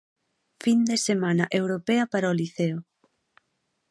Fin de semana europea para o Liceo.